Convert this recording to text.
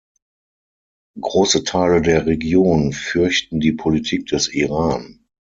Große Teile der Region fürchten die Politik des Iran.